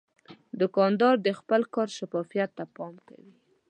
دوکاندار د خپل کار شفافیت ته پام کوي.